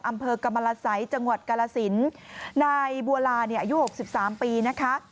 อำเภอกรรมละไซค์จังหวัดกรสินนายบัวลาอายุ๖๓ปีนะคะ